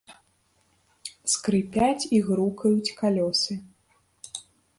Скрыпяць і грукаюць калёсы.